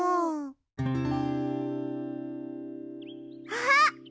あっ！